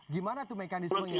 gimana itu mekanismenya